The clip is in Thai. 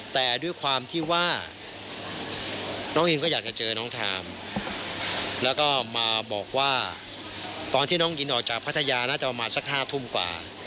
แต่ด้วยความที่ว่าน้องอินก็อยากจะเจอน้องทามแล้วก็มาบอกว่าตอนที่น้องอินออกจากพัทยาน่าจะประมาณสัก๕ทุ่มกว่า